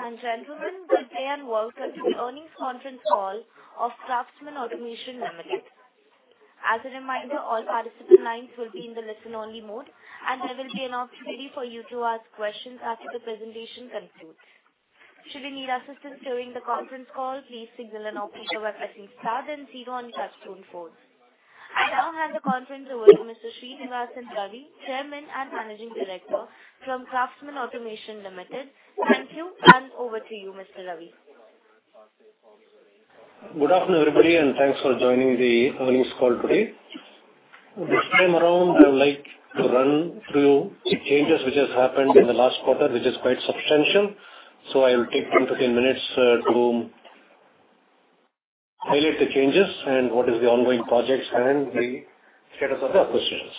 Ladies and gentlemen, good day and welcome to the earnings conference call of Craftsman Automation Limited. As a reminder, all participant lines will be in the listen-only mode, and there will be an opportunity for you to ask questions after the presentation concludes. Should you need assistance during the conference call, please signal an operator when pressing Star and Zero on your touch phone. I now hand the conference over to Mr. Srinivasan Ravi, Chairman and Managing Director from Craftsman Automation Limited. Thank you, and over to you, Mr. Ravi. Good afternoon, everybody, and thanks for joining the earnings call today. This time around, I would like to run through the changes which have happened in the last quarter, which is quite substantial. So I will take 10-15 minutes to highlight the changes and what is the ongoing projects and the status of the acquisitions.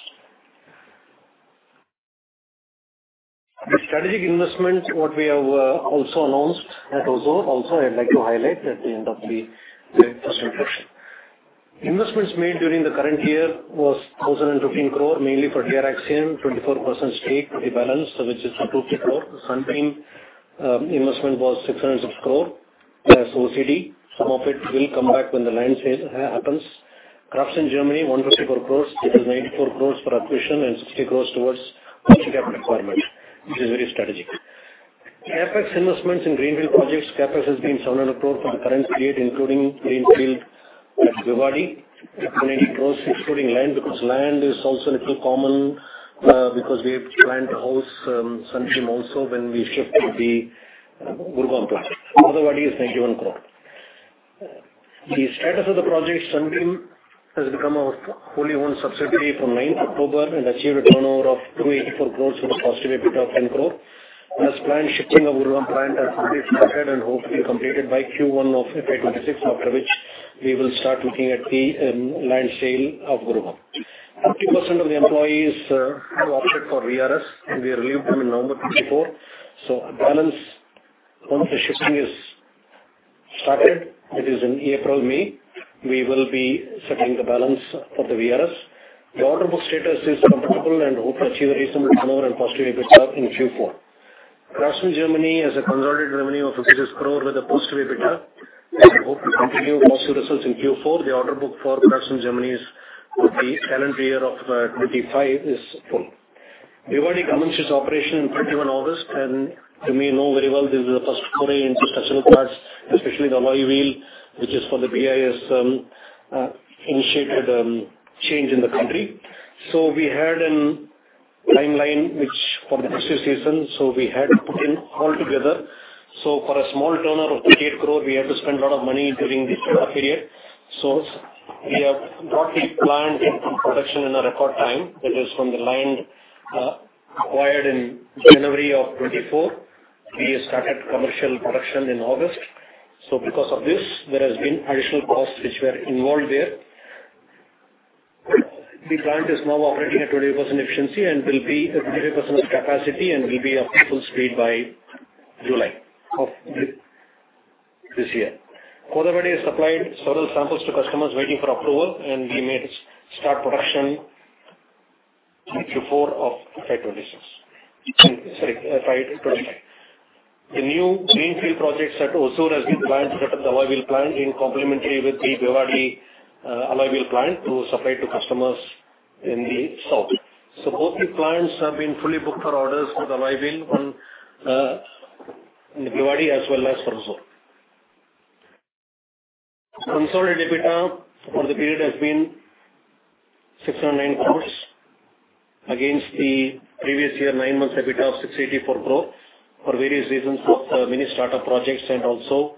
The strategic investments, what we have also announced at Hosur, also I'd like to highlight at the end of the presentation. Investments made during the current year was 1,015 crore, mainly for DR Axion, 24% stake to the balance, which is 254. Sunbeam investment was 606 crore as OCD. Some of it will come back when the land sale happens. Craftsman in Germany, 154 crore. It is 94 crore for acquisition and 60 crore towards working capital requirements, which is very strategic. CapEx investments in Greenfield projects. CapEx has been 700 crore for the current period, including Greenfield at Bhiwadi, INR 180 crore excluding land because land is also a little common because we plan to house Sunbeam also when we shift to the Gurugram plant. Kothavadi is INR 91 crore. The status of the project, Sunbeam has become a wholly owned subsidiary from 9th October and achieved a turnover of 284 crore with a positive EBITDA of 10 crore. As planned, shifting of Gurugram plant has already started and hopefully completed by Q1 of FY26, after which we will start looking at the land sale of Gurugram. 50% of the employees have opted for VRS. We relieved them in November 2024. So balance, once the shifting is started, it is in April, May, we will be settling the balance for the VRS. The order book status is comfortable and hope to achieve a reasonable turnover and positive EBITDA in Q4. Craftsman Germany has a consolidated revenue of 56 crore with a positive EBITDA. We hope to continue positive results in Q4. The order book for Craftsman Germany's calendar year of 2025 is full. Bhiwadi commences operation on 31 August, and you may know very well this is the first foray into structural parts, especially the alloy wheel, which is for the BIS initiated change in the country. So we had a timeline which for the festive season, so we had to put in all together. So for a small turnover of 38 crore, we had to spend a lot of money during this period. So we have brought the plant to production in a record time, that is from the land acquired in January of 2024. We started commercial production in August. Because of this, there has been additional costs which were involved there. The plant is now operating at 20% efficiency and will be at 20% of capacity and will be at full speed by July of this year. Kothavadi has supplied several samples to customers waiting for approval, and we may start production Q4 of FY25. Sorry, FY25. The new Greenfield projects at Hosur has been planned to set up the alloy wheel plant in complementary with the Bhiwadi alloy wheel plant to supply to customers in the south. Both the plants have been fully booked for orders for the alloy wheel in Bhiwadi as well as for Hosur. Consolidated EBITDA for the period has been 609 crores against the previous year nine months EBITDA of 684 crore for various reasons of the mini startup projects and also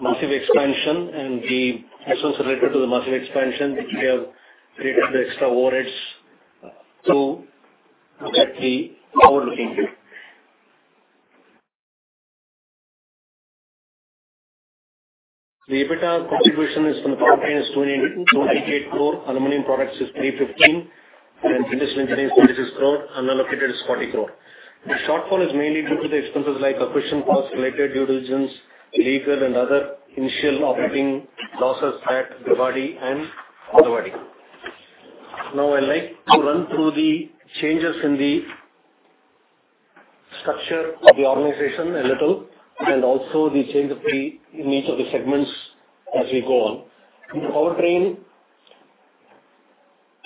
massive expansion and the issues related to the massive expansion which we have created the extra overheads. To look at the forward-looking view, the EBITDA contribution is from the company, is 284. Aluminum products is 315, and industrial engineering is 36 crore. Unallocated is 40 crore. The shortfall is mainly due to the expenses like acquisition costs related due diligence, legal, and other initial operating losses at Bhiwadi and Hosur. Now I'd like to run through the changes in the structure of the organization a little and also the change of the nature of the segments as we go on. The powertrain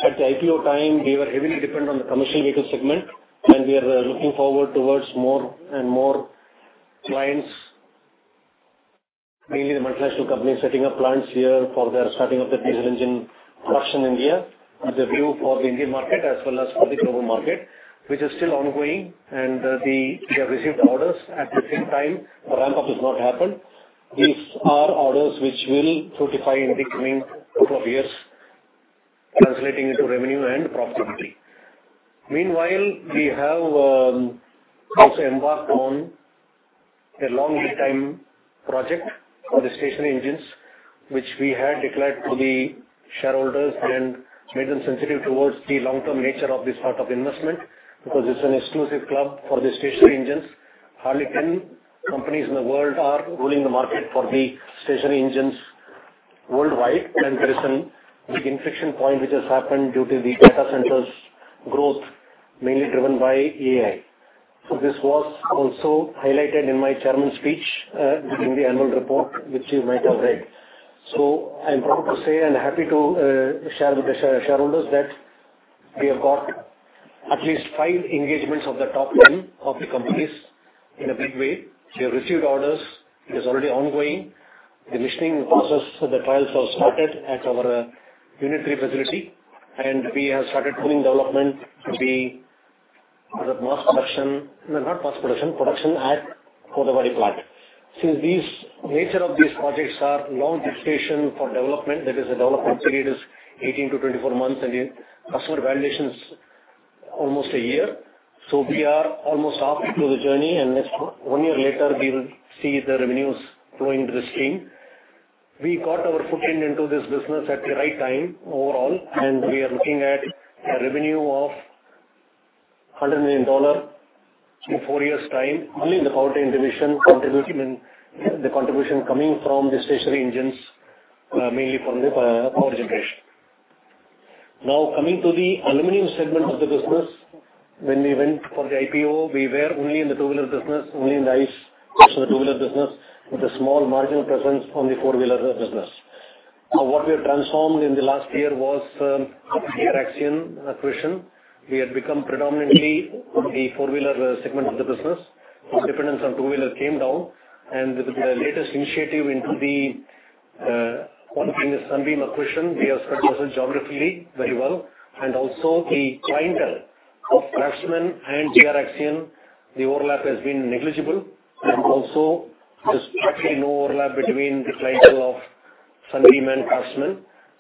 at the IPO time, we were heavily dependent on the commercial vehicle segment, and we are looking forward towards more and more clients, mainly the multinational companies, setting up plants here for their starting of the diesel engine production in India, with a view for the Indian market as well as for the global market, which is still ongoing, and we have received orders. At the same time, the ramp-up has not happened. These are orders which will frutify in the coming couple of years, translating into revenue and profitability. Meanwhile, we have also embarked on a long-term project for the stationary engines, which we had declared to the shareholders and made them sensitive towards the long-term nature of this sort of investment because it's an exclusive club for the stationary engines. Hardly 10 companies in the world are ruling the market for the stationary engines worldwide, and there is a big inflection point which has happened due to the data centers' growth, mainly driven by AI. So this was also highlighted in my chairman's speech during the annual report, which you might have read. So I'm proud to say and happy to share with the shareholders that we have got at least five engagements of the top 10 of the companies in a big way. We have received orders. It is already ongoing. The tooling process for the trials has started at our Unit 3 facility, and we have started tooling development to be the mass production, not mass production, production at Hosur plant. Since the nature of these projects are long gestation for development, that is, the development period is 18-24 months, and the customer validation is almost a year. So we are almost off to the journey, and next one year later, we will see the revenues flowing to the stream. We got our footprint into this business at the right time overall, and we are looking at a revenue of $100 million in four years' time, only in the powertrain division, contribution coming from the stationary engines, mainly from the power generation. Now, coming to the aluminum segment of the business, when we went for the IPO, we were only in the two-wheeler business, only in the ICE, which is the two-wheeler business, with a small marginal presence on the four-wheeler business. Now, what we have transformed in the last year was DR Axion acquisition. We had become predominantly the four-wheeler segment of the business. Our dependence on two-wheeler came down, and with the latest initiative into the Sunbeam acquisition, we have spread ourselves geographically very well, and also, the clientele of Craftsman and DR Axion, the overlap has been negligible, and also there's practically no overlap between the clientele of Sunbeam and Craftsman,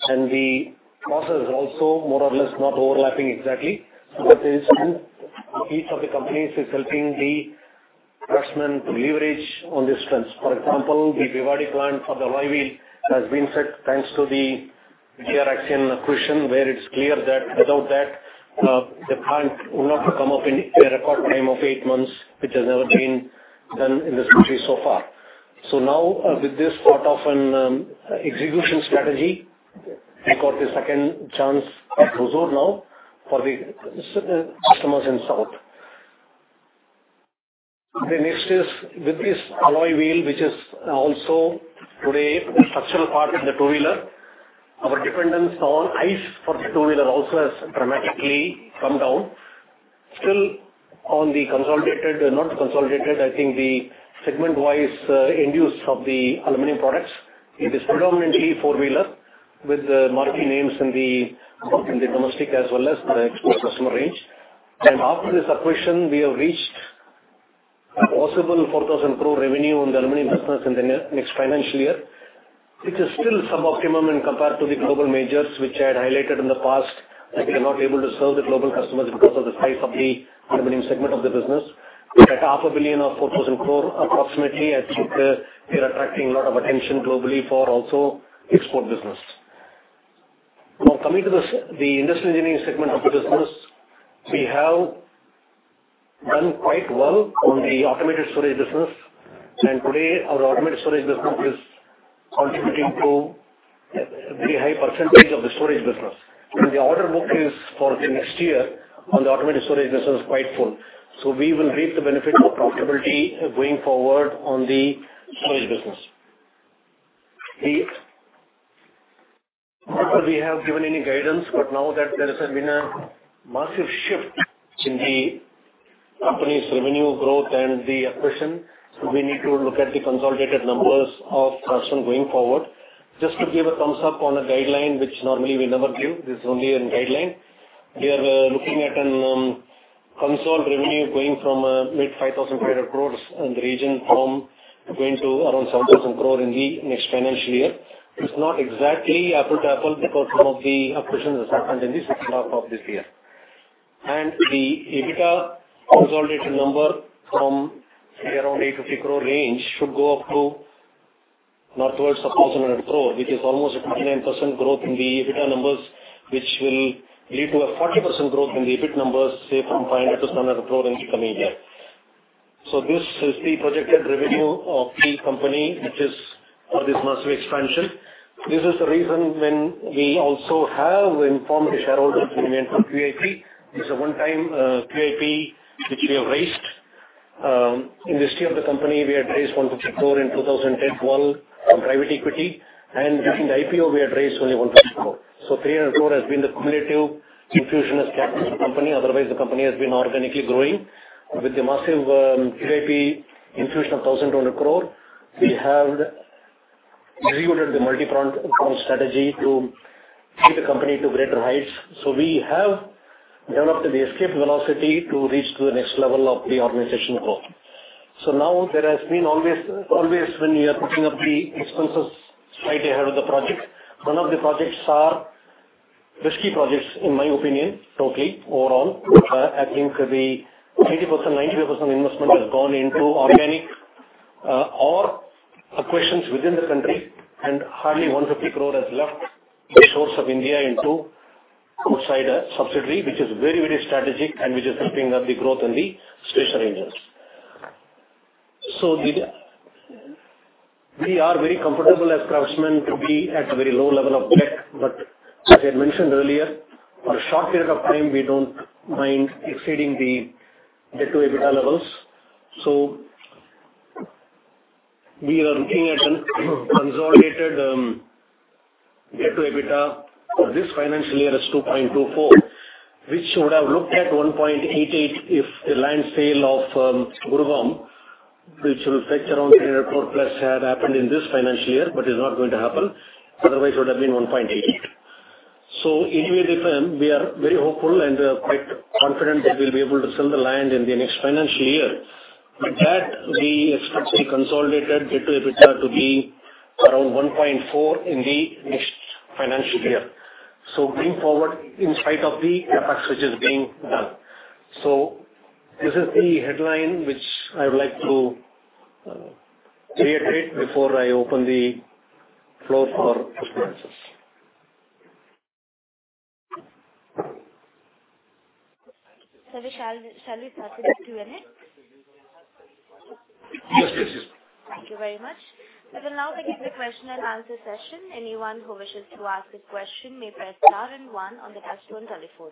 and the process is also more or less not overlapping exactly, so there is some each of the companies is helping the Craftsman to leverage on this strength. For example, the Bhiwadi plant for the alloy wheel has been set thanks to the DR Axion acquisition, where it's clear that without that, the plant would not come up in a record time of eight months, which has never been done in this country so far. Now, with this sort of an execution strategy, we got the second chance at Hosur now for the customers in south. The next is with this alloy wheel, which is also today a structural part of the two-wheeler. Our dependence on ICE for the two-wheeler also has dramatically come down. Still, on the consolidated, not consolidated, I think the segment-wise revenues of the aluminum products, it is predominantly four-wheeler with the marquee names in the domestic as well as the export customer range. And after this acquisition, we have reached a possible 4,000 crore revenue in the aluminum business in the next financial year, which is still sub-optimum when compared to the global majors, which I had highlighted in the past that we are not able to serve the global customers because of the size of the aluminum segment of the business. At $500 million of 4,000 crore approximately, I think we are attracting a lot of attention globally for also export business. Now, coming to the industrial engineering segment of the business, we have done quite well on the automated storage business, and today our automated storage business is contributing to a very high percentage of the storage business. And the order book is for next year on the automated storage business quite full. So we will reap the benefit of profitability going forward on the storage business. We have given any guidance, but now that there has been a massive shift in the company's revenue growth and the acquisition, we need to look at the consolidated numbers of Craftsman going forward. Just to give a thumbs up on a guideline, which normally we never give, this is only a guideline. We are looking at a consolidated revenue going from mid-INR 5,500 crores in the region from going to around 7,000 crore in the next financial year. It's not exactly apple to apple because some of the acquisitions have happened in the second half of this year. And the EBITDA consolidated number from around 850 crore range should go up to northwards of 1,100 crore, which is almost a 29% growth in the EBITDA numbers, which will lead to a 40% growth in the EBIT numbers, say from 500 to 700 crore in the coming year. So this is the projected revenue of the company which is for this massive expansion. This is the reason when we also have informed the shareholders in eventual QIP. This is a one-time QIP which we have raised. In the history of the company, we had raised 150 crore in 2010 while on private equity, and during the IPO, we had raised only 150 crore. So 300 crore has been the cumulative infusion as capital of the company. Otherwise, the company has been organically growing. With the massive QIP infusion of 1,200 crore, we have re-ordered the multi-pronged strategy to take the company to greater heights. So we have developed the escape velocity to reach to the next level of the organization growth. So now there has been always when we are picking up the expenses right ahead of the project, one of the projects are risky projects, in my opinion, totally overall. I think the 80%, 95% investment has gone into organic or acquisitions within the country, and hardly 150 crore has left the shores of India into outside a subsidiary, which is very, very strategic and which is helping the growth in the stationary engines. So we are very comfortable as Craftsman to be at a very low level of debt, but as I had mentioned earlier, for a short period of time, we don't mind exceeding the debt-to-EBITDA levels. So we are looking at a consolidated debt-to-EBITDA for this financial year as 2.24, which would have looked at 1.88 if the land sale of Gurugram, which will stretch around 300 crore plus, had happened in this financial year, but it's not going to happen. Otherwise, it would have been 1.88. So anyway, we are very hopeful and quite confident that we'll be able to sell the land in the next financial year. With that, we expect the consolidated Debt-to-EBITDA to be around 1.4 in the next financial year. So going forward, in spite of the CapEx which is being done. So this is the headline which I would like to reiterate before I open the floor for customer answers. So, shall we pass it back to you? Yes, yes, yes. Thank you very much. We will now begin the question and answer session. Anyone who wishes to ask a question may press star and one on the touchscreen telephone.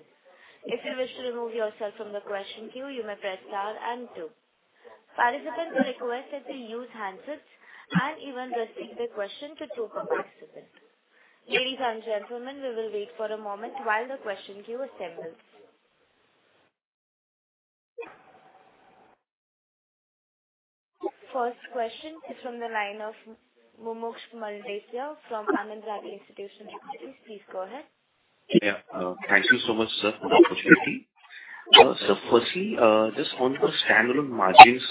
If you wish to remove yourself from the question queue, you may press star and two. Participants are requested to use handsets and even restrict the question to two participants. Ladies and gentlemen, we will wait for a moment while the question queue assembles. First question is from the line of Mumuksh Mandlesha from Anand Rathi Institutional Equities. Please go ahead. Yeah. Thank you so much, sir, for the opportunity. So firstly, just on the standalone margins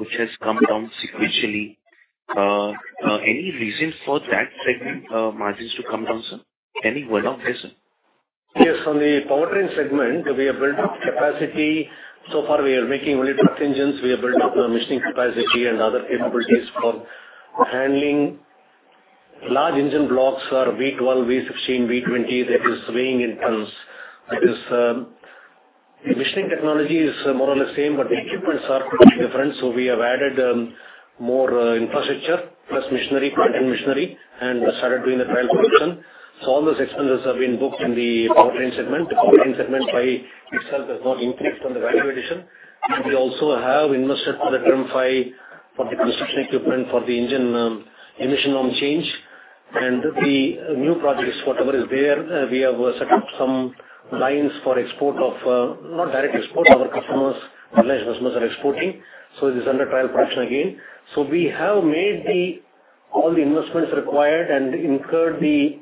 which has come down sequentially, any reason for that segment margins to come down, sir? Any word on this, sir? Yes. On the powertrain segment, we have built up capacity so far we are making only truck engines. We have built up machining capacity and other capabilities for handling large engine blocks or V12, V16, V20 that is weighing in tons. The machining technology is more or less same, but the equipment is quite different, so we have added more infrastructure plus machinery, front-end machinery, and started doing the trial production, so all those expenses have been booked in the powertrain segment. The powertrain segment by itself has not increased on the value addition. We also have invested for the TREM V for the construction equipment for the engine emission norm change and the new projects, whatever is there, we have set up some lines for export of not direct export. Our customers, international customers are exporting, so this is under trial production again. We have made all the investments required and incurred the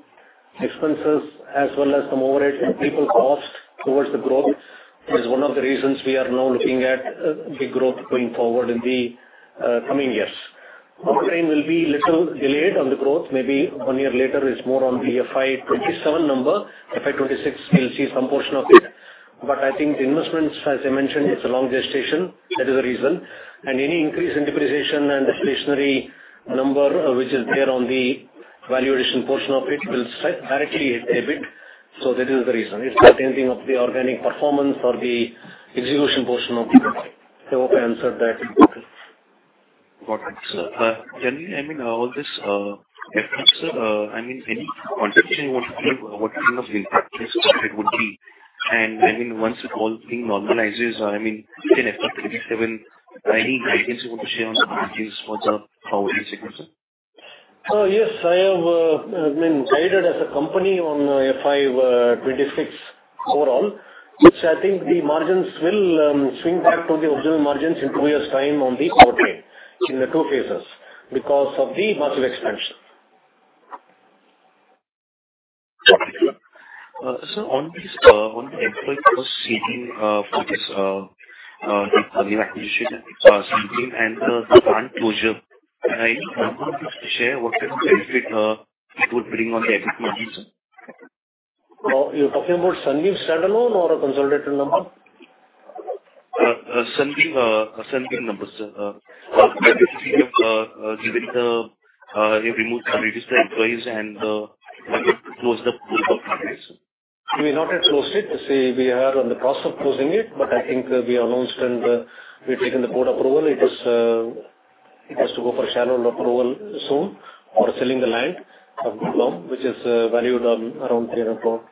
expenses as well as some overhead and people cost towards the growth, which is one of the reasons we are now looking at big growth going forward in the coming years. Powertrain will be a little delayed on the growth. Maybe one year later is more on the FY27 number. FY26 will see some portion of it. But I think the investments, as I mentioned, it's a long gestation. That is the reason. And any increase in depreciation and the stationary engines, which is there on the value addition portion of it, will directly hit the EBIT. So that is the reason. It's not anything of the organic performance or the execution portion of it. I hope I answered that. Got it, Sir Ravi, I mean, all this effort, sir. I mean, any contribution you want to give? What kind of impact do you expect it would be, and I mean, once all things normalize, I mean, within FY27, any guidance you want to share on the margins for the powertrain segment, sir? Yes. I have been guided as a company on FY26 overall, which I think the margins will swing back to the original margins in two years' time on the powertrain in the two phases because of the massive expansion. Got it. Sir, on the expected cost savings for this Sunbeam acquisition, Sunbeam and the plant closure, can you share what kind of benefit it will bring to the EBITDA, sir? You're talking about Sunbeam standalone or a consolidated number? Sunbeam number, sir? Given the reduced employees and closed up the plant base. We've not yet closed it. We are in the process of closing it, but I think we announced and we've taken the board approval. It has to go for a shareholder approval soon for selling the land of Gurugram, which is valued around 300 crore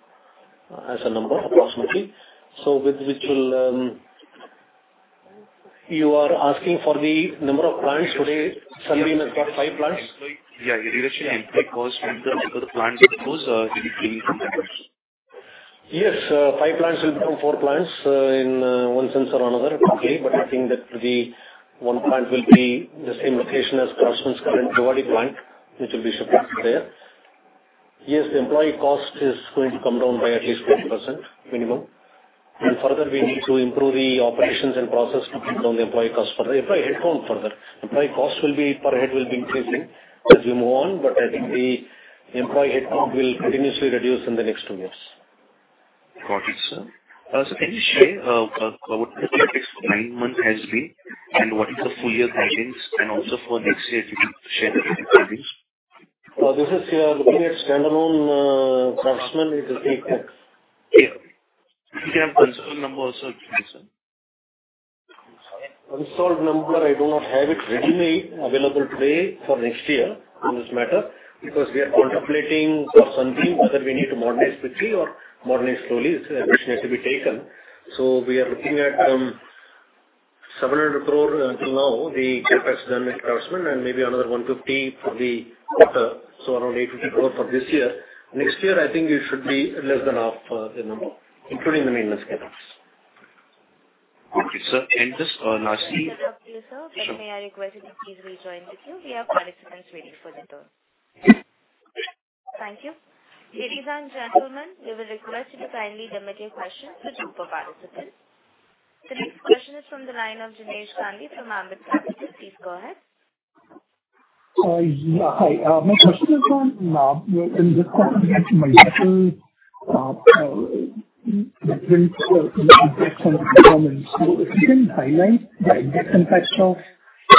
as a number approximately. So with which will you are asking for the number of plants today? Sunbeam has got five plants. Yeah. You did actually imply cost for the plants because you'll be closing some of them. Yes. Five plants will become four plants in one sense or another quickly, but I think that the one plant will be the same location as Craftsman's current Bhiwadi plant, which will be shipped there. Yes. The employee cost is going to come down by at least 20% minimum. And further, we need to improve the operations and process to bring down the employee cost further. Employee headcount further. Employee cost will be per head will be increasing as we move on, but I think the employee headcount will continuously reduce in the next two years. Got it, sir. So can you share what the next nine months has been and what is the full year guidance? And also for next year, if you can share the guidance. This is we are looking at standalone Craftsman. It is 8X. Yeah. You can have the installed number, sir. Installed number, I do not have it ready-made available today for next year on this matter because we are contemplating for Sunbeam whether we need to modernize quickly or modernize slowly. It's a decision that will be taken. So we are looking at 700 crore until now. The CapEx done with Craftsman and maybe another 150 crore for the quarter. So around 850 crore for this year. Next year, I think it should be less than half the number, including the maintenance CapEx. Okay, sir, and just lastly. Thank you, sir. If you may, I request that you please rejoin the queue. We have participants waiting for the turn. Thank you. Ladies and gentlemen, we will request you to kindly limit your questions to two per participant. The next question is from the line of Jinesh Gandhi from Ambit Capital. Please go ahead. Hi. My question is on this question related to my initial different integration performance. So if you can highlight the integration factor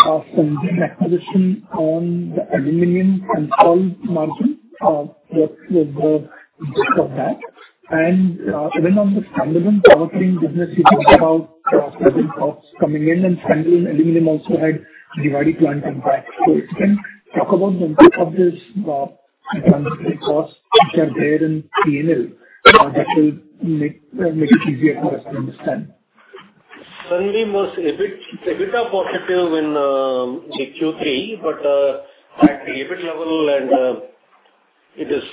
of some acquisition on the aluminum consolidated margin, what was the impact of that? And even on the standalone powertrain business, you talked about the intergration costs coming in, and standalone aluminum also had Bhiwadi plant impact. So if you can talk about the impact of this transition cost, which are there in P&L, that will make it easier for us to understand. Sunbeam was a bit positive in the Q3, but at the EBIT level, and it is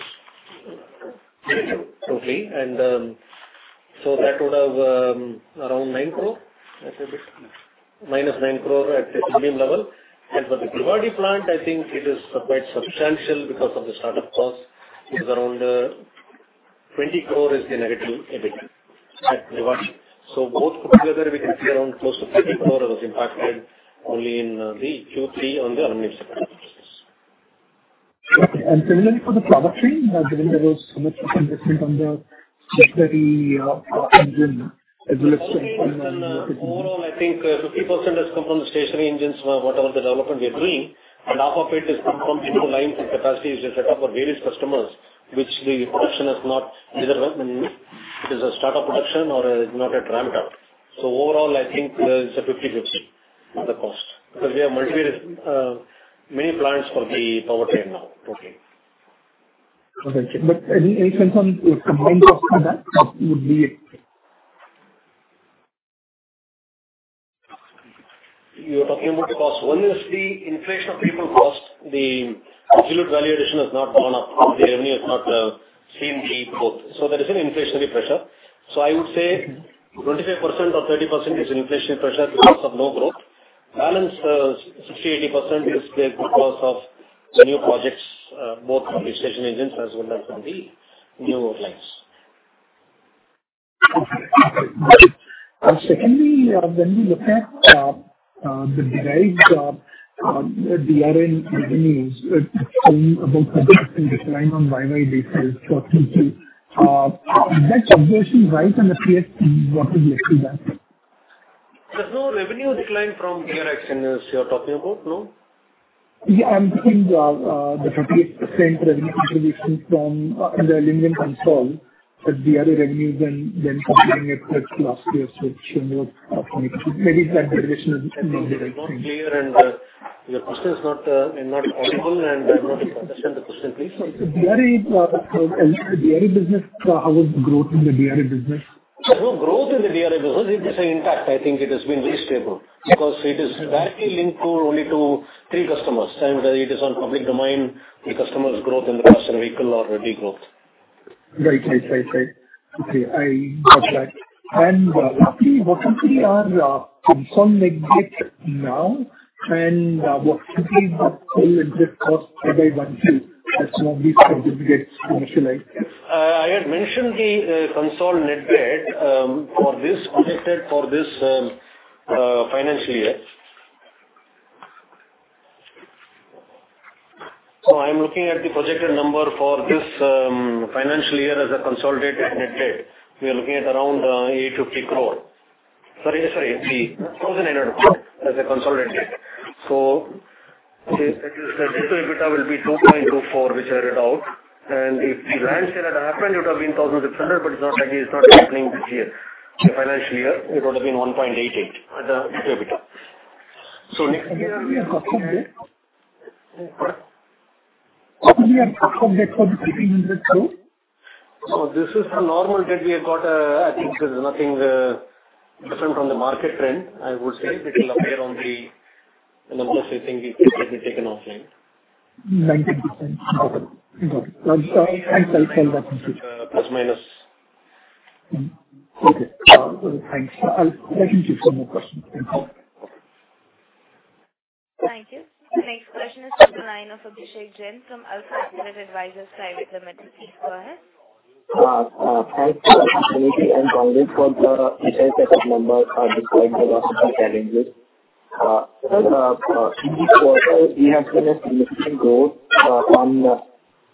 negative totally, and so that would have around 9 crore at EBIT, minus 9 crore at the Sunbeam level, and for the Bhiwadi plant, I think it is quite substantial because of the startup cost. It is around 20 crore is the negative EBIT at Bhiwadi, so both put together, we can see around close to 50 crore was impacted only in the Q3 on the aluminum segment. And similarly for the powertrain, given there was so much investment on the stationary engine as well as. Overall, I think 50% has come from the stationary engines, whatever the development we are doing, and half of it has come from people lines and capacity which are set up for various customers, which the production has not either is a startup production or is not a ramped up. So overall, I think it's a 50/50 of the cost because we have many plants for the powertrain now totally. Got it. But any sense on the combined cost for that would be it? You're talking about the cost. One is the inflation of people cost. The absolute value addition has not gone up. The revenue has not seen the growth. So there is an inflationary pressure. So I would say 25% or 30% is inflationary pressure because of no growth. Balance 60%-80% is the cost of new projects, both for the stationary engines as well as for the new lines. Got it. So can we, when we look at the derived DR Axion revenues, it's seen about a decline on YoY basis shortly too. Is that observation right on the DR Axion? What would lead to that? There's no revenue decline from DR Axion engines you're talking about, no? Yeah. I'm thinking the 38% revenue contribution from the aluminum and solid, but the other revenues then comparing it with last year's switch, maybe that derivation is not the right thing. I'm not clear, and your question is not audible, and I'm not sure I understand the question, please. So DR Axion business, how was the growth in the DR Axion business? There's no growth in the DR Axion business. It is important. I think it has been very stable because it is directly linked only to three customers, and it is in the public domain. The customers' growth in cars, stationary engines, or the growth. Right. Okay. I got that, and lastly, what companies are consolidating now, and what companies are still in this cost by one year that some of these companies get initialized? I had mentioned the consolidated for this projected for this financial year. So I'm looking at the projected number for this financial year as a consolidated debt. We are looking at around 850 crore. It's 1,900 crore as a consolidated debt. So that EBITDA will be 2.24, which I read out. And if the land sale had happened, it would have been 1,600, but it's not happening this year, the financial year. It would have been 1.88 at the EBITDA. So next year, we are talking about. What are we talking about for the INR 1,500 crore? So this is the normal debt we have got. I think there's nothing different from the market trend, I would say. It will appear on the numbers you think we have taken offline. 19%. Okay. Got it. Thanks. I'll call back. Plus minus. Okay. Thanks. I'll let him keep some more questions. Okay. Okay. Thank you. Next question is from the line of Abhishek Jain from Alfa Accurate Advisors Private Limited. Please go ahead. Thanks for the opportunity and congrats for the nice set of number despite the losses and challenges. In this quarter, we have seen a significant growth on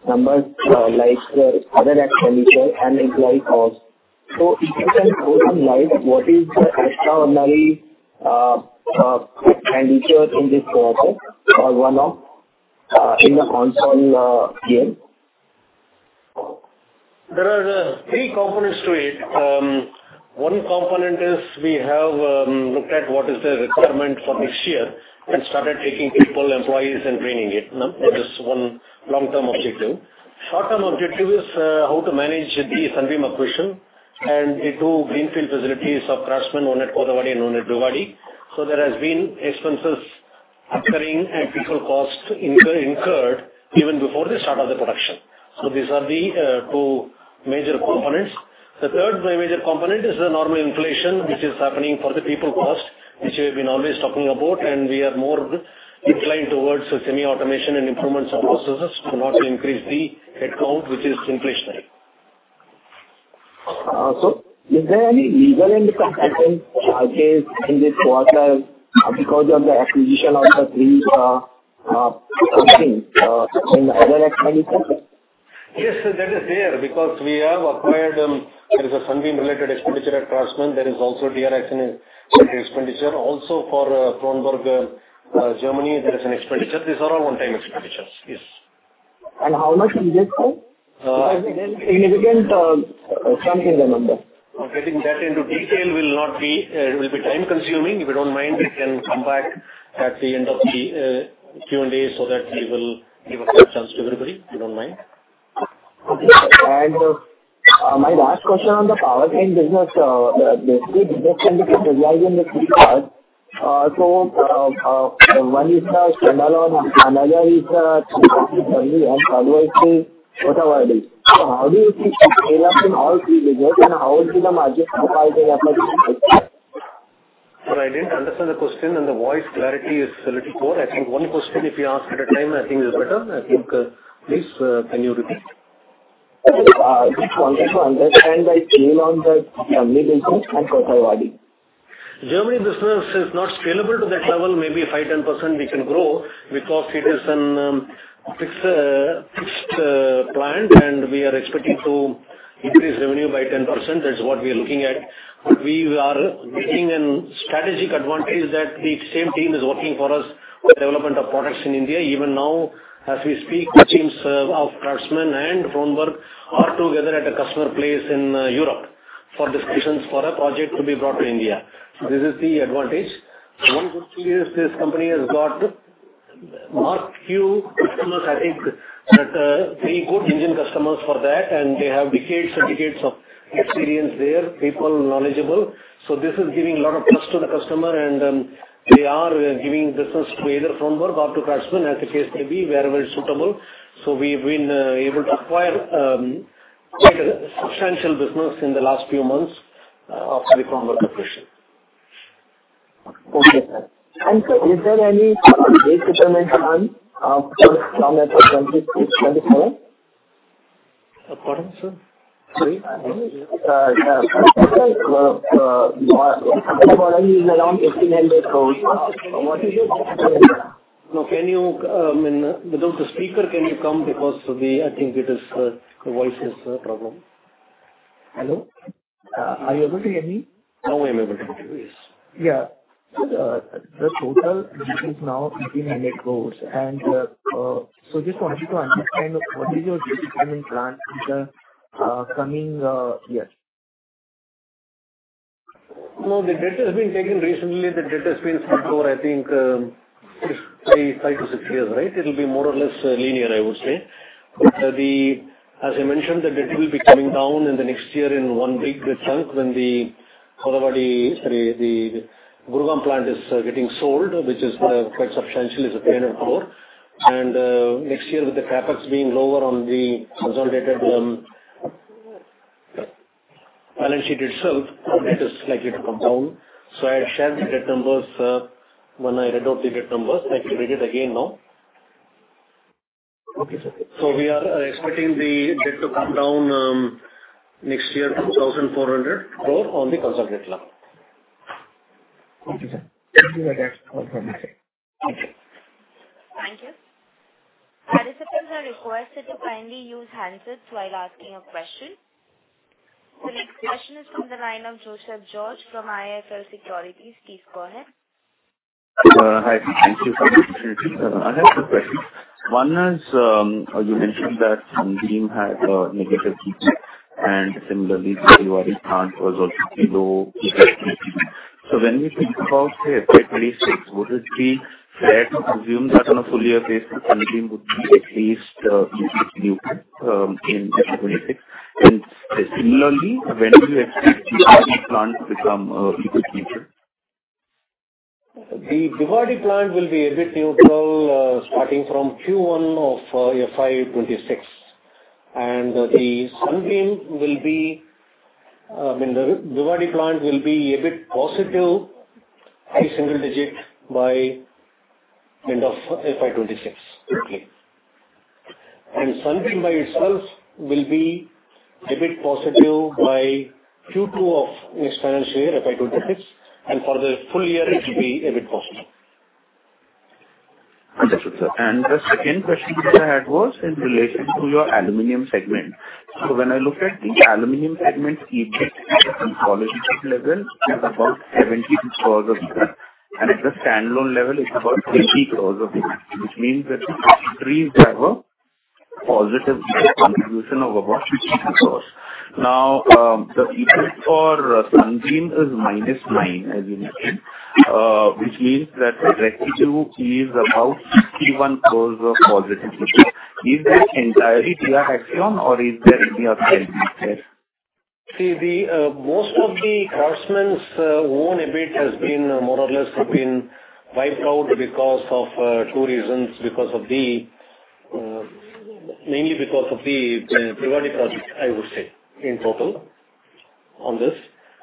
numbers like current expenditure and employee costs. So if you can throw light on, what is the extraordinary expenditure in this quarter or one-off in the consolidated year? There are three components to it. One component is we have looked at what is the requirement for next year and started taking people, employees, and training it. That is one long-term objective. Short-term objective is how to manage the Sunbeam acquisition and the two greenfield facilities of Craftsman owned at Kothavadi and owned at Bhiwadi. So there has been expenses occurring and people cost incurred even before the start of the production. So these are the two major components. The third major component is the normal inflation, which is happening for the people cost, which we have been always talking about, and we are more inclined towards semi-automation and improvements of processes to not increase the headcount, which is inflationary. Is there any legal and compliance charges in this quarter because of the acquisition of the three companies and other expenditures? Yes, that is there because we have acquired. There is a Sunbeam-related expenditure at Craftsman. There is also DR Axion expenditure. Also for Kronberg, Germany, there is an expenditure. These are all one-time expenditures. Yes. How much is it? Significant chunk in the number. Getting that into detail will not be. It will be time-consuming. If you don't mind, we can come back at the end of the Q&A so that we will give a chance to everybody. If you don't mind. My last question on the powertrain business. The three biggest entities reside in the three parts. One is standalone, another is Sunbeam, and the other is Kothavadi. How do you see it scale up in all three businesses, and how will the margin profile be applied to the other? So, I didn't understand the question, and the voice clarity is a little poor. I think one question, if you ask at a time, I think is better. I think. Please, can you repeat? Just wanted to understand the scale on the Sunbeam business and Kothavadi. Germany business is not scalable to that level. Maybe 5-10% we can grow because it is a fixed plant, and we are expecting to increase revenue by 10%. That's what we are looking at. We are getting a strategic advantage that the same team is working for us on the development of products in India. Even now, as we speak, teams of Craftsman and Kothavadi are together at a customer place in Europe for discussions for a project to be brought to India. So this is the advantage. One good thing is this company has got marquee customers, I think, that are very good engine customers for that, and they have decades and decades of experience there, people knowledgeable. So this is giving a lot of trust to the customer, and they are giving business to either Kronberg or to Craftsman, as the case may be, wherever it's suitable. So we've been able to acquire quite a substantial business in the last few months after the Kronberg acquisition. Okay, sir, and so is there any rate determination for some of the countries in 2024? Pardon, sir? Sorry? Yes, sir. Kothavadi is around INR 1,800 crore. What is it? No, can you without the speaker? Can you come because I think the voice is a problem? Hello? Are you able to hear me? Oh, I'm able to hear you. Yes. Yeah. The total is now 1,800 crores. And so just wanted to understand what is your decision plan in the coming years? No, the debt has been taken recently. The debt has been set for, I think, probably five to six years, right? It will be more or less linear, I would say. But as I mentioned, the debt will be coming down in the next year in one big chunk when the Kothavadi sorry, the Gurugram plant is getting sold, which is quite substantial, is a 10 or more. And next year, with the CapEx being lower on the consolidated balance sheet itself, the debt is likely to come down. So I had shared the debt numbers when I read out the debt numbers. I can read it again now. Okay, sir. We are expecting the debt to come down next year, 2,400 crore on the consolidated level. Okay, sir. Thank you for that information. Thank you. Thank you. Participants are requested to kindly use handsets while asking a question. The next question is from the line of Joseph George from IIFL Securities. Please go ahead. Hi. Thank you for the opportunity. I have two questions. One is you mentioned that Sunbeam had negative EBIT, and similarly, the Bhiwadi plant was also below EBITDA. So when we think about the EBIT in 2026, would it be fair to presume that on a full-year basis, Sunbeam would be at least EBIT neutral in 2026? And similarly, when do you expect Bhiwadi plant to become EBIT neutral? The Bhiwadi plant will be EBIT neutral starting from Q1 of FY 26. And the Sunbeam will be I mean, the Bhiwadi plant will be EBIT positive by single digit by end of FY 26. And Sunbeam by itself will be EBIT positive by Q2 of next financial year, FY 26. And for the full year, it will be EBIT positive. Understood, sir. And the second question I had was in relation to your aluminum segment. So when I looked at the aluminum segment, EBIT at the consolidated level is about 72 crores a quarter. And at the standalone level, it's about 80 crores a quarter, which means that it increased our positive EBIT contribution of about 62 crores. Now, the EBIT for Sunbeam is minus 9, as you mentioned, which means that the residue is about 61 crores of positive EBIT. Is this entirely DR Axion, or is there any other benefit there? See, most of the Craftsman's own EBIT has been more or less been wiped out because of two reasons, mainly because of the Bhiwadi project, I would say, in total on this.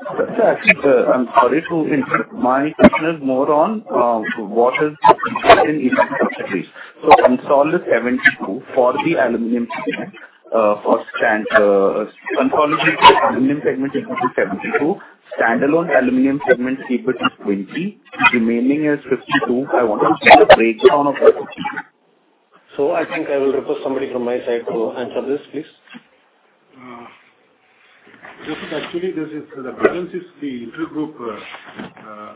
That's actually the. I'm sorry to interrupt. My question is more on what is the EBIT in these companies. So consolidated segment is 2 for the aluminum segment. For consolidated aluminum segment, it would be 72. Standalone aluminum segment, EBIT is 20. Remaining is 52. I wanted to see the breakdown of the 52. So I think I will request somebody from my side to answer this, please. Just actually, the difference is the inter-group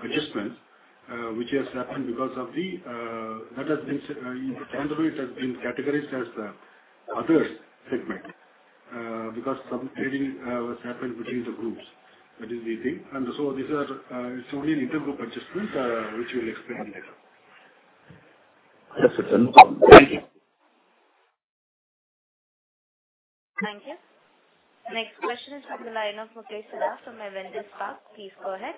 adjustment, which has happened because of the standalone that has been categorized as the others segment because some trading has happened between the groups. That is the thing. And so this is only an inter-group adjustment, which we'll explain later. Understood. Thank you. Thank you. Next question is from the line of Mukesh Saraf from Avendus Spark. Please go ahead.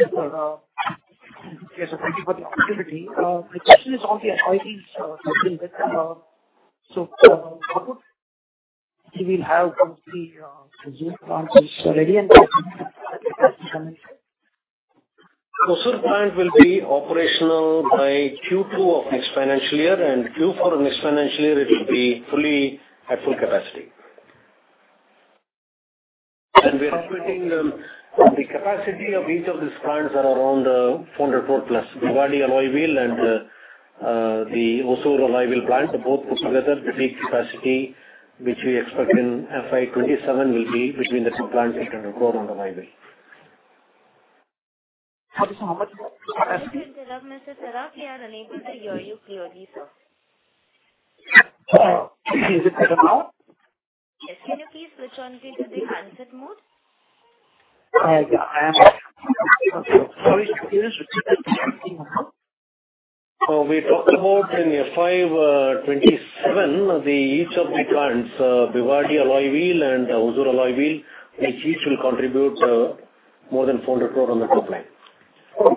Yes, sir. Thank you for the opportunity. My question is on the advisory segment. So what would we have once the consolidated plant is ready to come into? Consolidated plant will be operational by Q2 of next financial year. And Q4 of next financial year, it will be fully at full capacity. And we are expecting the capacity of each of these plants is around 400 crore plus. Bhiwadi alloy wheel and the Hosur alloy wheel plant, both put together, the peak capacity, which we expect in FY 2027, will be between the two plants at 800 crore on alloy wheel. Mr. Mukesh Saraf, we are unable to hear you clearly, sir. Is it cut out? Yes. Can you please switch onto the handset mode? Sorry. Can you switch it to something? We talked about in FY 2027, each of the plants, Bhiwadi Alloy Wheel and Hosur Alloy Wheel, each will contribute more than 400 crore on the top line. Okay.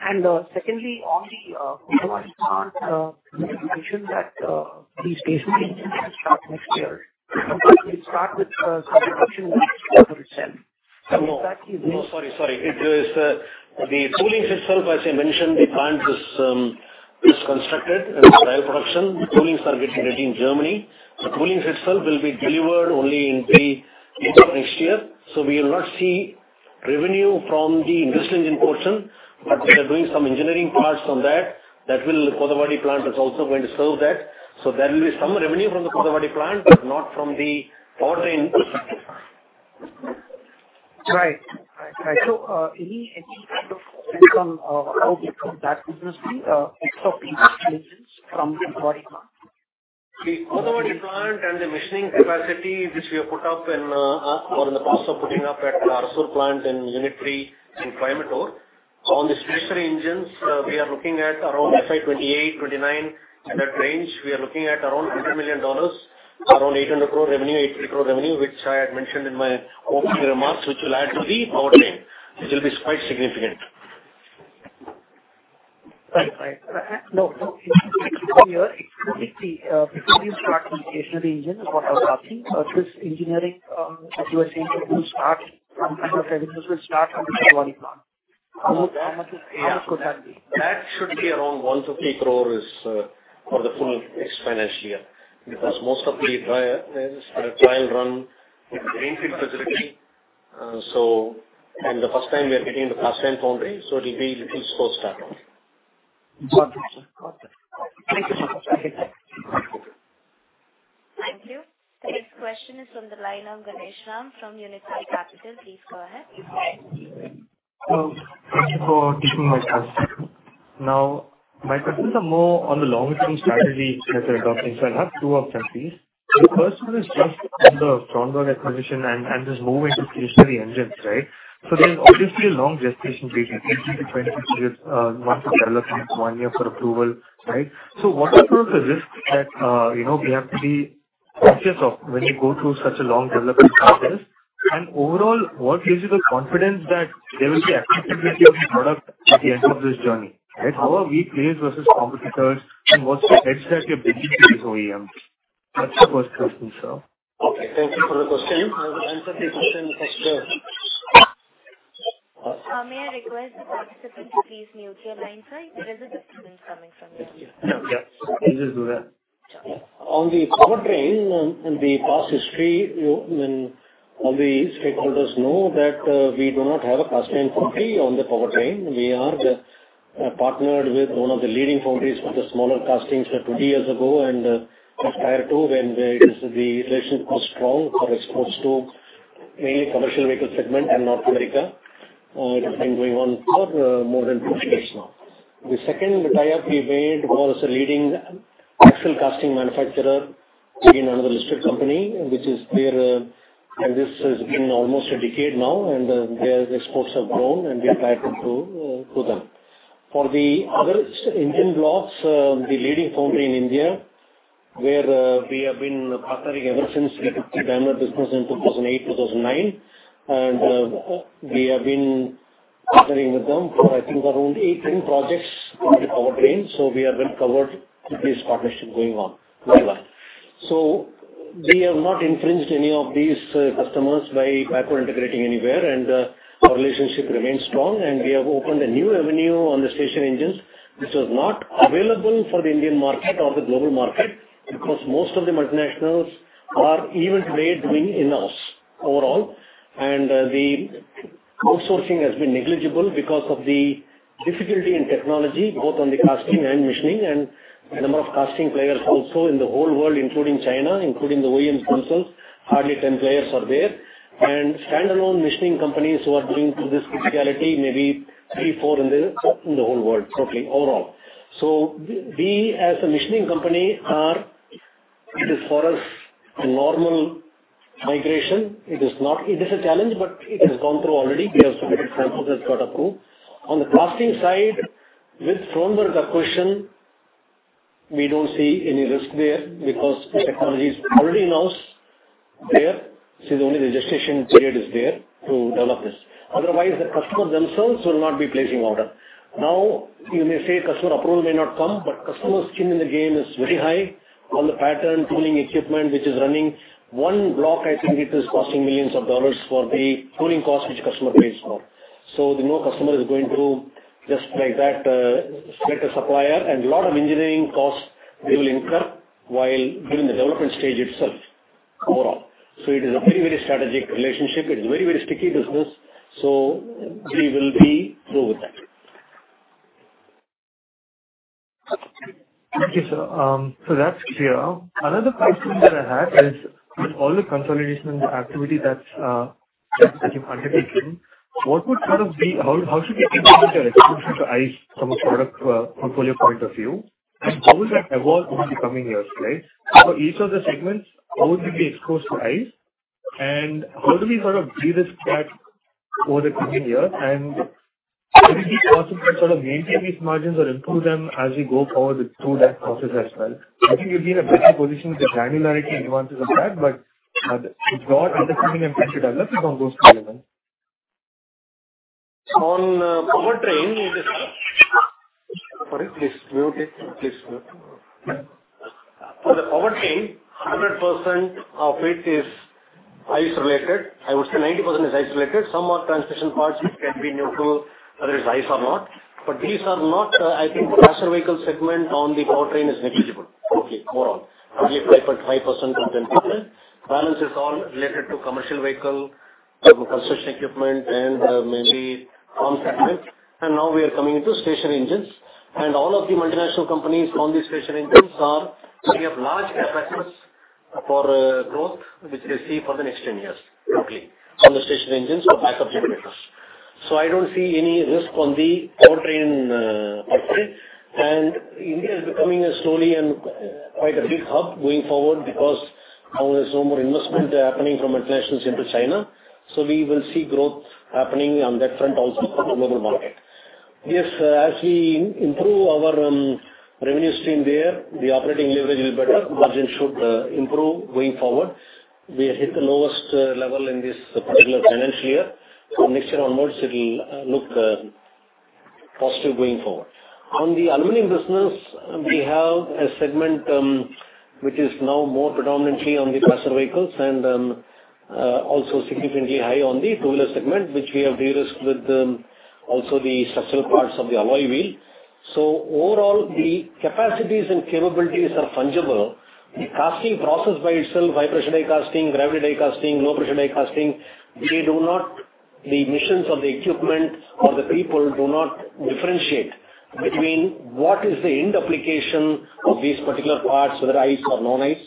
And secondly, on the Kothavadi plant, you mentioned that these basically can start next year. Will it start with construction in the next quarter itself? No. Is that the? No, sorry. Sorry. The toolings itself, as I mentioned, the plant is constructed as a bio-production. The toolings are getting ready in Germany. The toolings itself will be delivered only in the middle of next year. So we will not see revenue from the industrial engine portion, but we are doing some engineering parts on that. That will Kothavadi plant is also going to serve that. So there will be some revenue from the Kothavadi plant, but not from the powertrain. Right. So any kind of income out of that business be off of these engines from Bhiwadi plant? The Kothavadi plant and the machining capacity which we have put up and are in the process of putting up at the Arasur plant in Unit 3 in Coimbatore. On the stationary engines, we are looking at around FY28, FY29, that range. We are looking at around $100 million, around 800 crore revenue, which I had mentioned in my opening remarks, which will add to the powertrain, which will be quite significant. Excuse me, sir. Before you start the stationary engine, what I was asking, this engineering, as you were saying, it will start some kind of revenues will start from the Kothavadi plant. How much of that could that be? That should be around 150 crores for the full next financial year because most of the trial run is the greenfield facility. So and the first time we are getting the Craftsman foundry, so it will be a little slow start. Got it, sir. Got it. Thank you so much. Thank you. Okay. Thank you. The next question is from the line of Ganeshram from Unifi Capital. Please go ahead. Thank you for taking my time. Now, my questions are more on the long-term strategy that you're adopting. So I'll have two options, please. The first one is just on the Kronberg acquisition and this move into stationary engines, right? So there's obviously a long gestation period, 18-20 years once you develop it, one year for approval, right? So what are some of the risks that we have to be conscious of when we go through such a long development process? And overall, what gives you the confidence that there will be acceptability of the product at the end of this journey, right? How are we players versus competitors, and what's the edge that you're bringing to these OEMs? That's the first question, sir. Okay. Thank you for the question. I will answer the question faster. May I request the participants to please mute their lines, right? There is a disturbance coming from the. Yeah. Yeah. Please do that. On the Powertrain, the past history, all the stakeholders know that we do not have a Craftsman foundry on the Powertrain. We are partnered with one of the leading foundries for the smaller castings 20 years ago and the entire two when the relationship was strong for exports to mainly commercial vehicle segment and North America. It has been going on for more than two years now. The second tie-up we made was a leading axle casting manufacturer in another listed company, which is clear, and this has been almost a decade now, and their exports have grown, and we have tied up to them. For the other engine blocks, the leading foundry in India, where we have been partnering ever since we took the Daimler business in 2008, 2009, and we have been partnering with them for, I think, around 18 projects with the powertrain, so we have not infringed any of these customers by micro-integrating anywhere, and our relationship remains strong, and we have opened a new avenue on the stationary engines, which was not available for the Indian market or the global market because most of the multinationals are even today doing in-house overall, and the outsourcing has been negligible because of the difficulty in technology, both on the casting and machining, and the number of casting players also in the whole world, including China, including the OEMs themselves, hardly 10 players are there. And standalone machining companies who are doing this really, maybe three, four in the whole world, totally overall. So we, as a machining company, are. It is, for us, a normal migration. It is a challenge, but it has gone through already. We have some good samples that got approved. On the casting side, with Kronberg acquisition, we don't see any risk there because the technology is already in-house there. See, only the gestation period is there to develop this. Otherwise, the customer themselves will not be placing order. Now, you may say customer approval may not come, but customer skin in the game is very high on the pattern tooling equipment, which is running one block. I think it is costing millions of dollars for the tooling cost, which customer pays for. So the new customer is going to just like that, select a supplier, and a lot of engineering costs they will incur while during the development stage itself overall. So it is a very, very strategic relationship. It is a very, very sticky business. So we will be through with that. Thank you, sir. So that's clear. Another question that I had is, with all the consolidation and the activity that you've undertaken, what would sort of be how should we implement your exposure to ICE from a product portfolio point of view? And how will that evolve in the coming years, right? For each of the segments, how would we be exposed to ICE? And how do we sort of de-risk that over the coming years? And would it be possible to sort of maintain these margins or improve them as we go forward through that process as well? I think you've been a bit in position with the granularity and nuances of that, but broad understanding and trying to develop is on those two elements. For the powertrain, 100% of it is ICE-related. I would say 90% is ICE-related. Some are transmission parts which can be neutral, whether it's ICE or not. But these are not. I think the passenger vehicle segment on the powertrain is negligible. Okay. Overall, only 5.5% of them people. Balance is all related to commercial vehicle, construction equipment, and mainly arm segment. And now we are coming into stationary engines. And all of the multinational companies on these stationary engines are, we have large capacities for growth, which they see for the next 10 years, totally, on the stationary engines for backup generators. So I don't see any risk on the powertrain part of it. And India is becoming slowly quite a big hub going forward because now there's no more investment happening from multinationals into China. So we will see growth happening on that front also for the global market. Yes, as we improve our revenue stream there, the operating leverage will better. Margin should improve going forward. We hit the lowest level in this particular financial year. From next year onwards, it will look positive going forward. On the aluminum business, we have a segment which is now more predominantly on the passenger vehicles and also significantly high on the two-wheeler segment, which we have de-risked with also the structural parts of the alloy wheel. So overall, the capacities and capabilities are fungible. The casting process by itself, high-pressure die casting, gravity die casting, low-pressure die casting, they do not. The missions of the equipment or the people do not differentiate between what is the end application of these particular parts, whether ICE or non-ICE.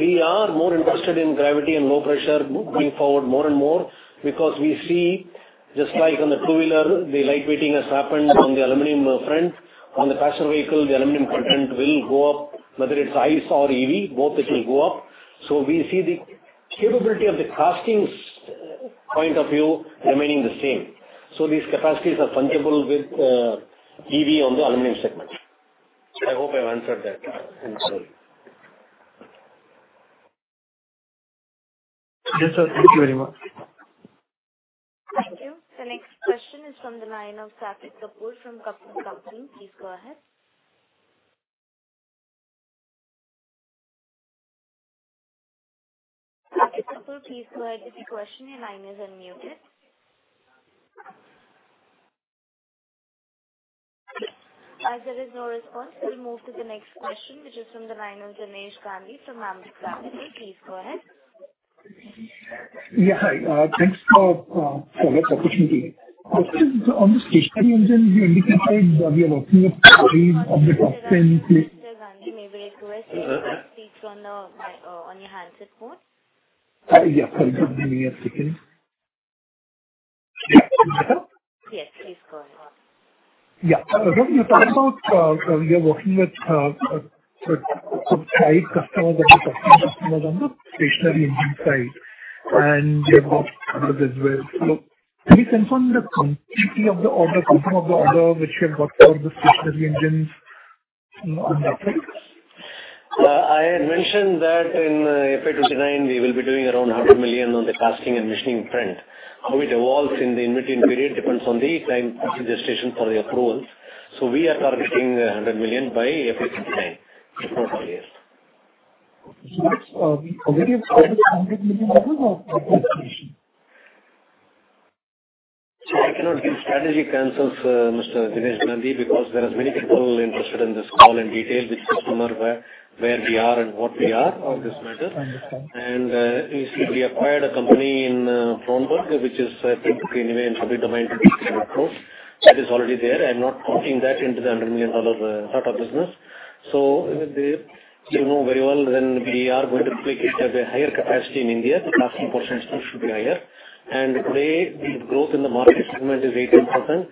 We are more interested in gravity and low pressure going forward more and more because we see, just like on the two-wheeler, the lightweighting has happened on the aluminum front. On the passenger vehicle, the aluminum content will go up, whether it's ICE or EV, both it will go up. So we see the capability of the casting point of view remaining the same. So these capacities are fungible with EV on the aluminum segment. I hope I've answered that clearly. Yes, sir. Thank you very much. Thank you. The next question is from the line of Sagar Parekh from Sundaram Mutual Fund. Please go ahead. Sagar Parekh, please go ahead with your question. Your line is unmuted. As there is no response, we'll move to the next question, which is from the line of Jinesh Gandhi from Ambit Capital. Please go ahead. Yeah. Thanks for the opportunity. On the stationary engine, you indicated we are working with three of the top 10. Mr. Gandhi, may we request you to please turn on your handset mode? Yeah. Sorry. Give me a second. Yes. Please go ahead. Yeah. You talked about you're working with some tight customers of the stationary customers on the stationary engine side, and you have got others as well. Can you confirm the quantity of the order, the number of the order which you have got for the stationary engines on that side? I had mentioned that in FY 2029, we will be doing around $100 million on the casting and machining plant. How it evolves in the in-between period depends on the time of the gestation for the approvals. So we are targeting $100 million by FY 2029, if not earlier. So would you say it's 100 million orders or 100 million? So I cannot give strategic answers, Mr. Jinesh Gandhi, because there are many people interested in this call in detail with customer, where we are and what we are on this matter. And we acquired a company in Kronberg, which is I think in the way in public domain to be exposed. That is already there. I'm not putting that into the $100 million sort of business. So you know very well then we are going to make it a higher capacity in India. The casting percentage should be higher. And today, the growth in the market segment is 18%.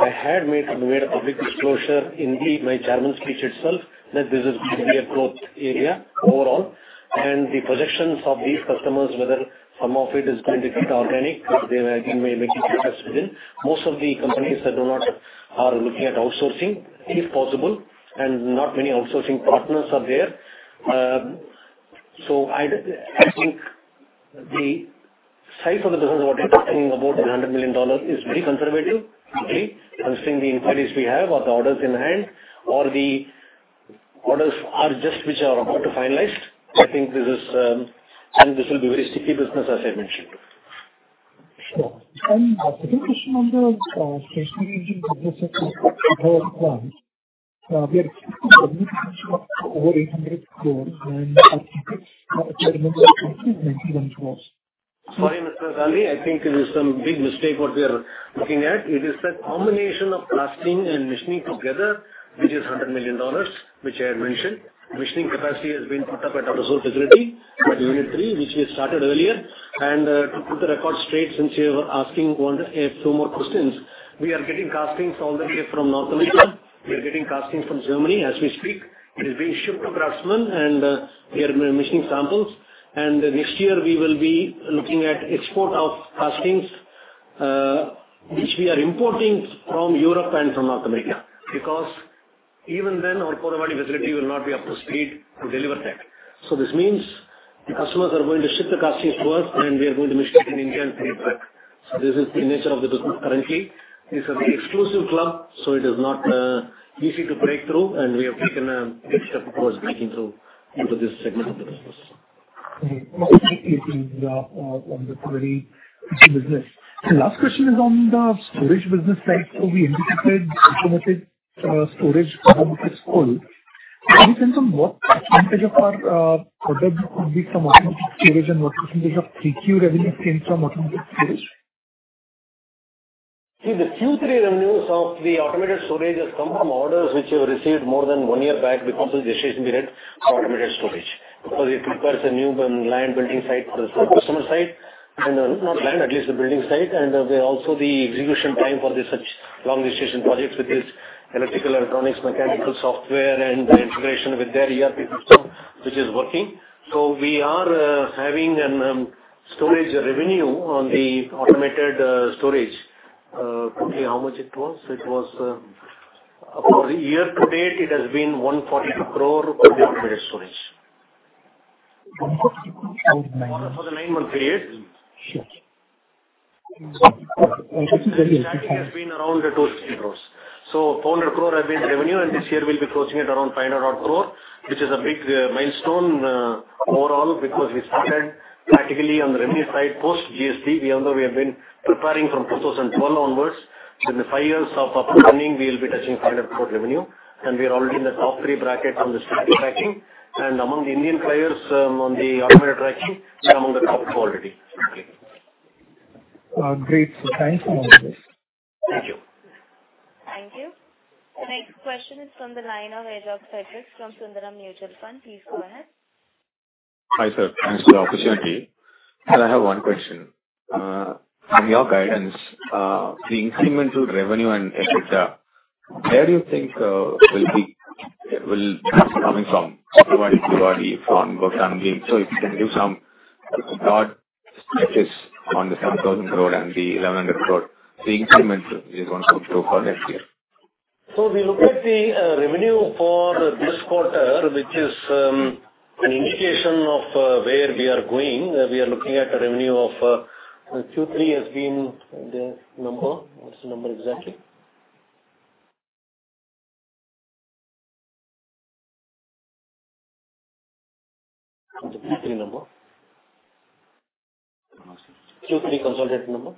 I had made a public disclosure in my chairman's speech itself that this is going to be a growth area overall. And the projections of these customers, whether some of it is going to be organic, they have been making progress within. Most of the companies are looking at outsourcing, if possible, and not many outsourcing partners are there. So I think the size of the business, what you're talking about, the $100 million is pretty conservative, considering the inquiries we have or the orders in hand or the orders are just which are about to finalize. I think this will be a very sticky business, as I mentioned. Sure. And a second question on the stationary engine business, we have a plan. We are expecting 70% of over 800 cores and a recommended capacity of 91 cores. Sorry, Mr. Gandhi. I think there's some big mistake in what we are looking at. It is the combination of casting and machining together, which is $100 million, which I had mentioned. Machining capacity has been put up at our facility, at Unit 3, which we started earlier. To put the record straight, since you were asking two more questions, we are getting castings all the way from North America. We are getting castings from Germany as we speak. It is being shipped to Craftsman, and we are machining samples. Next year, we will be looking at export of castings, which we are importing from Europe and from North America because even then, our Kronberg facility will not be up to speed to deliver that. So this means the customers are going to ship the castings to us, and we are going to machine in India and bring it back. So this is the nature of the business currently. It's an exclusive club, so it is not easy to break through, and we have taken a big step towards breaking through into this segment of the business. Most likely, it is on the query business. The last question is on the storage business side. So we indicated automated storage is full. Can you tell me what percentage of our orders would be from automated storage and what percentage of Q3 revenue came from automated storage? See, the Q3 revenues of the automated storage has come from orders which have received more than one year back because of the gestation period for automated storage because it requires a new land building site for the customer side, and not land, at least the building site, and also the execution time for such long gestation projects with this electrical, electronics, mechanical software, and the integration with their ERP system, which is working. So we are having a storage revenue on the automated storage. How much it was? It was for the year to date, it has been 142 crore for the automated storage. For the nine-month period, it has been around 250 crores. So 200 crore has been the revenue, and this year we'll be closing at around 500 crore, which is a big milestone overall because we started practically on the revenue side post GST. We have been preparing from 2012 onwards. Within the five years of up and running, we will be touching 500 crore revenue, and we are already in the top three bracket on the static racking. And among the Indian players on the automated racking, we are among the top two already. Great. So thanks for all of this. Thank you. Thank you. The next question is from the line of Sagar Parekh from Sundaram Mutual Fund. Please go ahead. Hi, sir. Thanks for the opportunity. I have one question. From your guidance, the incremental revenue and EBITDA, where do you think will be coming from Kothavadi. so if you can give some broad statistics on the 7,000 crore and the 1,100 crore, the increment is going to go for next year. So we look at the revenue for this quarter, which is an indication of where we are going. We are looking at a revenue of Q3 has been the number. What's the number exactly? The Q3 number. Q3 consolidated number.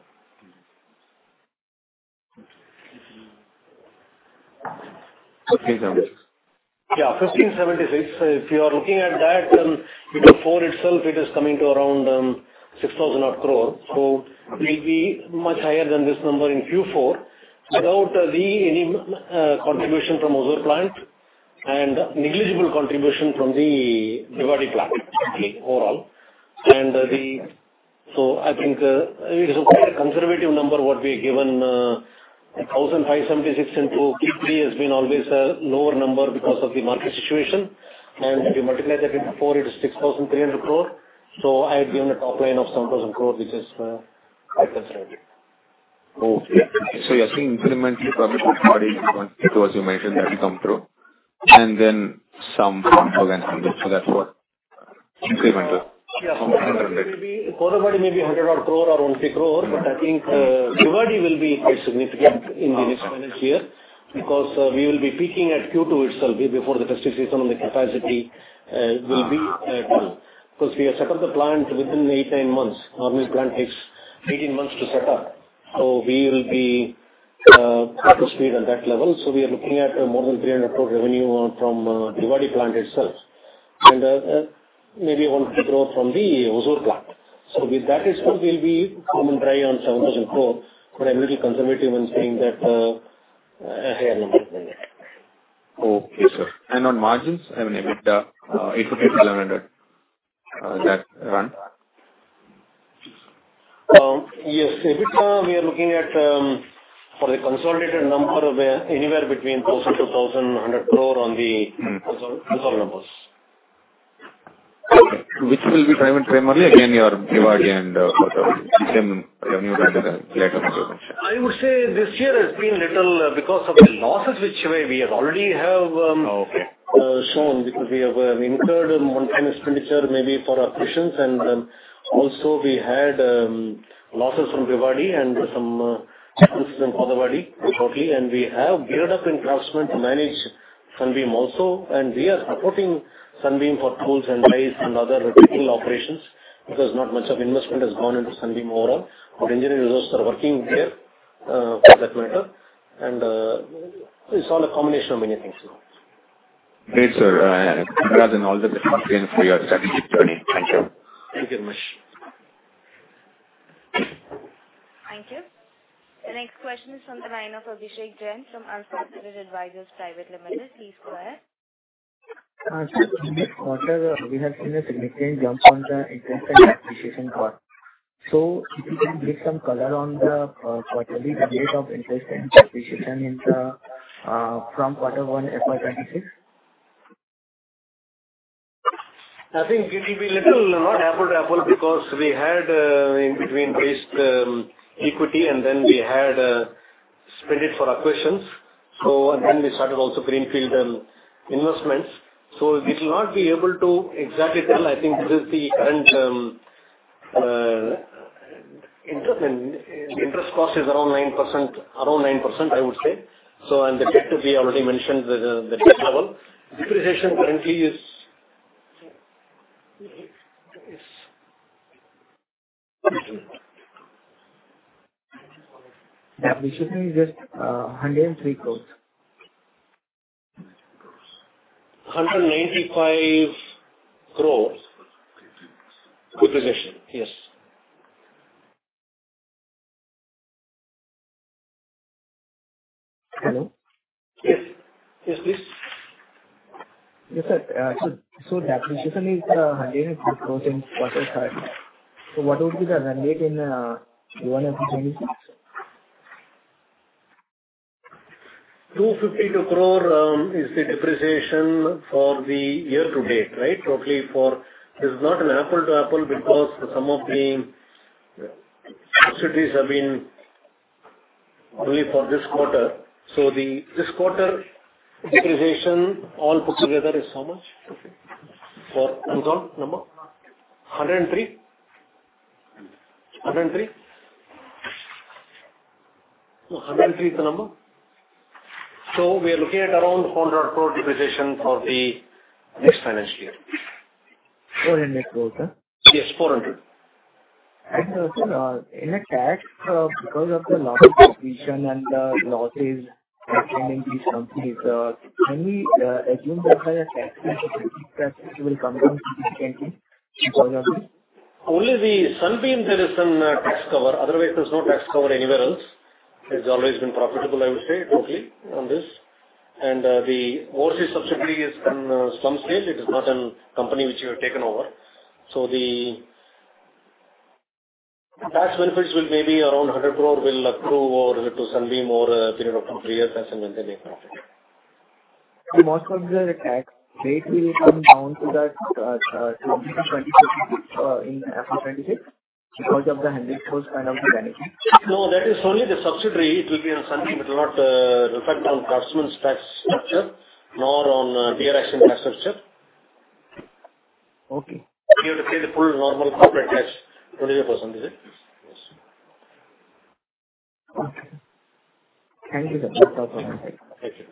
Okay. Yeah. 1,576. If you are looking at that, Q4 itself, it is coming to around 6,000 crore, so it will be much higher than this number in Q4 without any contribution from other plants and negligible contribution from the Bhiwadi plant overall. And so I think it is a quite conservative number what we are given. 1,576 into Q3 has been always a lower number because of the market situation, and if you multiply that with Q4, it is 6,300 crore, so I had given a top line of 7,000 crore, which is quite conservative. Okay. So you're seeing incrementally from the Q4, as you mentioned, that will come through, and then some from 200. So that's what incremental. Yeah. Kronberg may be 100 crore or 20 crore, but I think Bhiwadi will be quite significant in the next financial year because we will be peaking at Q2 itself before the fiscal year on the capacity will be done because we have set up the plant within eight, nine months. Normally, the plant takes 18 months to set up. So we will be up to speed on that level. So we are looking at more than 300 crore revenue from Bhiwadi plant itself and maybe 100 crore from the Hosur plant. So with that, it will come around to 7,000 crore, but I'm a little conservative in saying that a higher number than that. Okay, sir. And on margins, I mean, EBITDA, 850, 1,100, that run? Yes. EBITDA, we are looking at for the consolidated number, we are anywhere between 2,000 crore and 2,100 crore on the result numbers. Okay. Which will be driving primarily? Again, your Bhiwadi and the same revenue that you mentioned. I would say this year has been little because of the losses, which we already have shown because we have incurred monthly expenditure maybe for our commissions. And also, we had losses from Bhiwadi and some incidents from Kronberg totally. And we have geared up in Craftsman to manage Sunbeam also. And we are supporting Sunbeam for tools and lights and other technical operations because not much of investment has gone into Sunbeam overall. Our engineering resources are working there for that matter. And it's all a combination of many things. Great, sir. Congrats on all the success for your strategic journey. Thank you. Thank you very much. Thank you. The next question is from the line of Abhishek Jain from Alfa Accurate Advisors Private Limited. Please go ahead. Thank you. In this quarter, we have seen a significant jump on the interest and appreciation growth. So if you can give some color on the quarterly rate of interest and appreciation from quarter one FY 2026? I think it will be a little, not apples to apples because we had in between raised equity, and then we had spent it for acquisitions. Then we also started greenfield investments. We will not be able to exactly tell. I think this is the current interest cost is around 9%, I would say. The debt we already mentioned, the debt level. Depreciation currently is. Yeah. We should be just 103 crores. 195 crore depreciation. Yes. Hello? Yes. Yes, please. Yes, sir. So depreciation is 103 crore in quarter three. So what would be the depreciation in Q1 FY 2026? 252 crore is the depreciation for the year to date, right? Totally, this is not an apples to apples because some of the subsidies have been only for this quarter. So this quarter depreciation all put together is how much? Result number? 103? 103? 103 is the number? So we are looking at around 400 crore depreciation for the next financial year. 400 crore, sir? Yes, 400. Sir, in income tax, because of the losses that came in these companies, can we assume that the tax will come down significantly because of this? Only the Sunbeam there is some tax cover. Otherwise, there's no tax cover anywhere else. It's always been profitable, I would say, totally on this. And the ORC subsidy is on some scale. It is not a company which we have taken over. So the tax benefits will maybe around 100 crore will accrue over to Sunbeam over a period of two to three years as a maintaining profit. Most of the tax rate will come down to that in FY 26 because of the INR 100 crore kind of the benefit? No, that is only the subsidy. It will be on Sunbeam. It will not reflect on Craftsman's tax structure nor on DR Axion tax structure. Okay. You have to pay the full normal corporate tax, 25%, is it? Yes. Okay. Thank you. Thank you. Thank you.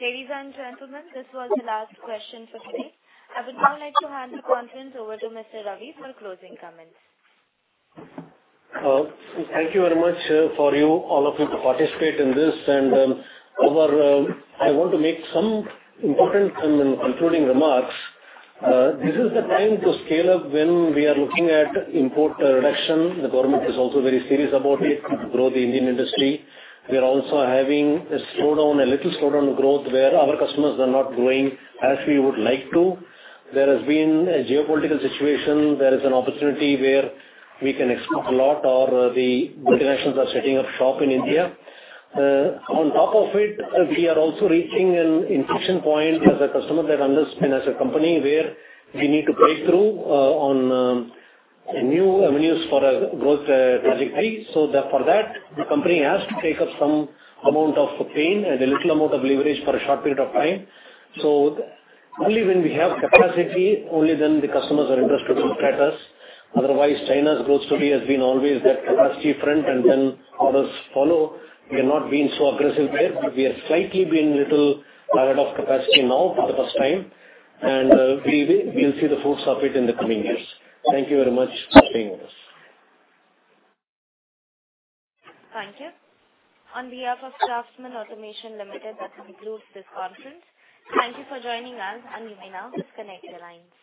Ladies and gentlemen, this was the last question for today. I would now like to hand the conference over to Mr. Ravi for closing comments. Thank you very much for all of you to participate in this. And I want to make some important concluding remarks. This is the time to scale up when we are looking at import reduction. The government is also very serious about it to grow the Indian industry. We are also having a slowdown, a little slowdown of growth where our customers are not growing as we would like to. There has been a geopolitical situation. There is an opportunity where we can expect a lot or the multinationals are setting up shop in India. On top of it, we are also reaching an inflection point as a customer that understands as a company where we need to break through on new avenues for a growth trajectory. So for that, the company has to take up some amount of pain and a little amount of leverage for a short period of time, so only when we have capacity, only then the customers are interested to look at us. Otherwise, China's growth story has been always that capacity front and then others follow. We are not being so aggressive there, but we are slightly being a little laggard of capacity now for the first time, and we will see the fruits of it in the coming years. Thank you very much for staying with us. Thank you. On behalf of Craftsman Automation Limited, that concludes this conference. Thank you for joining us, and you may now disconnect your lines.